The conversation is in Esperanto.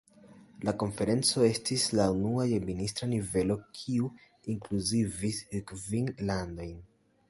La konferenco estis la unua je ministra nivelo, kiu inkluzivis kvin landojn.